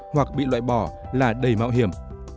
hoặc bị loại bỏ là đầy mạo hiểm